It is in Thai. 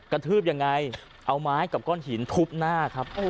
ทืบยังไงเอาไม้กับก้อนหินทุบหน้าครับ